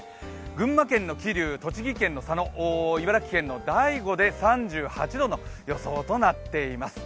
群馬県の桐生、栃木県の佐野、茨城県大子で３５度となっています。